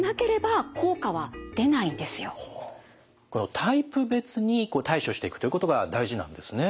タイプ別に対処していくということが大事なんですね。